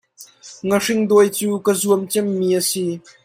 Ngahring dawi cu ka zuam cem mi a si.